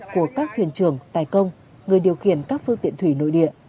của các thuyền trưởng tài công người điều khiển các phương tiện thủy nội địa